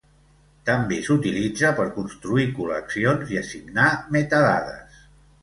També s'utilitza per construir col·leccions i assignar metadades.